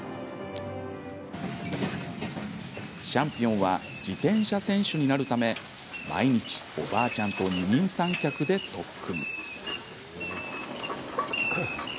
シャンピオンは自転車選手になるため毎日おばあちゃんと二人三脚で特訓。